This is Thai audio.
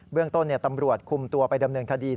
เรื่องต้นตำรวจคุมตัวไปดำเนินคดี